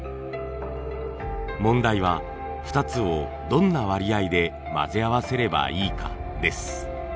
問題は２つをどんな割合で混ぜ合わせればいいかです。